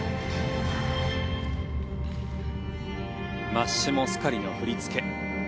マッシモ・スカリの振り付け。